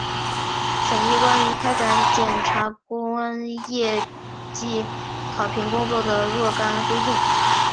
审议关于开展检察官业绩考评工作的若干规定